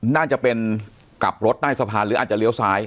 น่าจะเป็นกลับรถใต้สะพานหรืออาจจะเลี้ยวซ้าย